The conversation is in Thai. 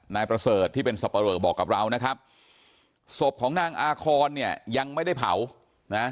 นายประเสริฐที่เป็นสับปะเรอบอกกับเรานะครับศพของนางอาคอนเนี่ยยังไม่ได้เผานะ